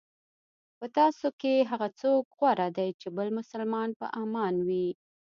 په تاسو کې هغه څوک غوره دی چې بل مسلمان په امان وي.